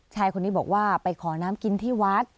ชายคนนี้บอกว่าไปขอน้ำกินที่วัด